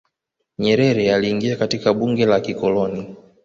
nyerere aliingia katika bunge la kikoloni